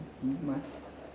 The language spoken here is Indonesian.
isi cikoneng inilah